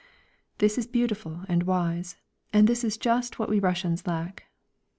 This is beautiful and wise, and this is just what we Russians lack.